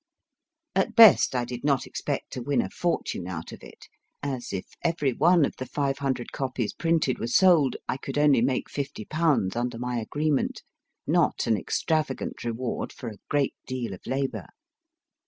At the best I did not expect to win a fortune out of it, as if every one of the five hundred copies printed were sold, I could only make fifty pounds under my agreement not an extravagant reward for a great deal of labour.